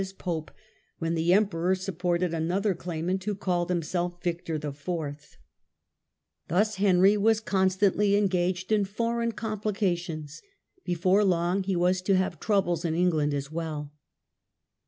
as pope, when the emperor supported another claimant who called himself Victor IV. Thus BECKET THE ARCHBISHOP. 21 Henry was constantly engaged in foreign complications. Before long he was to have troubles in England as well.